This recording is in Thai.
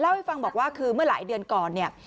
เล่าให้ฟังบอกว่าคือเมื่อหลายเดือนก่อนเนี่ย